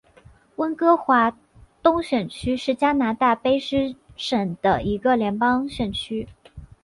温哥华东选区是加拿大卑诗省的一个联邦选区。